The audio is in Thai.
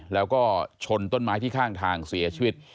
แล้วก็ชนต้นไม้ที่ข้างทางเสียชีวิต